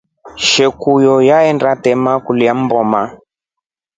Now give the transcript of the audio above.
Shekuyo nyaenda tema kulya mboma.